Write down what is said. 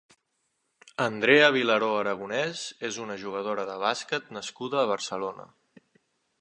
Andrea Vilaró Aragonès és una jugadora de bàsquet nascuda a Barcelona.